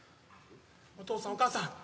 お父さんお母さん